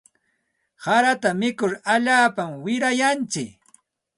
Harata mikur alaapa wirayantsik.